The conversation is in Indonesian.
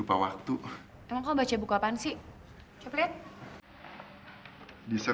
pak baru aja sih pikir pikir